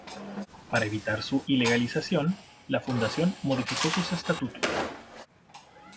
Para evitar su ilegalización la fundación modificó sus estatutos.